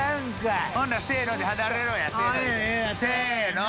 せの。